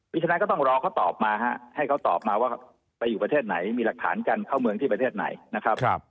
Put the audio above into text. ฉะนั้นก็ต้องรอเขาตอบมาฮะให้เขาตอบมาว่าไปอยู่ประเทศไหนมีหลักฐานการเข้าเมืองที่ประเทศไหนนะครับ